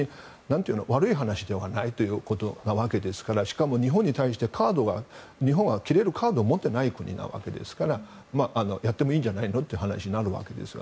悪い話ではないということなわけですからしかも日本に対してカードが日本は切れるカードを持ってない国ですからやってもいいんじゃないのという話になるわけです。